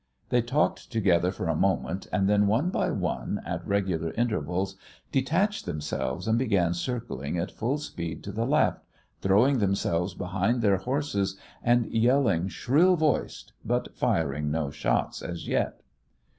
They talked together for a moment, and then one by one, at regular intervals, detached themselves and began circling at full speed to the left, throwing themselves behind their horses, and yelling shrill voiced, but firing no shot as yet.